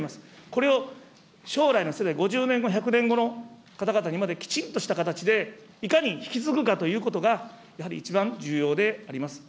これを将来の世代、５０年後、１００年後の方々にまできちんとした形で、いかに引き継ぐかということが、やはり一番重要であります。